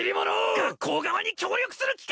学校側に協力する気か！？